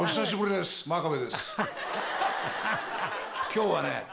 今日はね。